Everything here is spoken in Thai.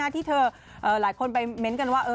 ที่เธอหลายคนไปเม้นต์กันว่า